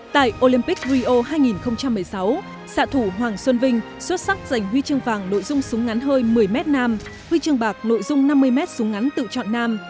tại olympic rio hai nghìn một mươi sáu xạ thủ hoàng xuân vinh xuất sắc giành huy chương vàng nội dung súng ngắn hơi một mươi m nam huy chương bạc nội dung năm mươi m súng ngắn tự chọn nam